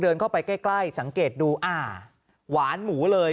เดินเข้าไปใกล้ใกล้สังเกตดูอ่าหวานหมูเลย